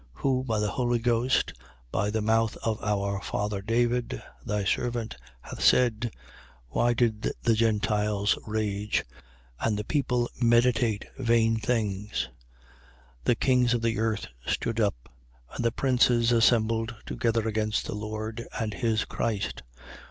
4:25. Who, by the Holy Ghost, by the mouth of our father David, thy servant, hast said: Why did the Gentiles rage: and the people meditate vain things? 4:26. The kings of the earth stood up: and the princes assembled together against the Lord and his Christ.